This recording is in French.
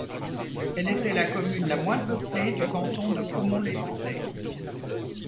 Elle était la commune la moins peuplée du canton de Caumont-l'Éventé.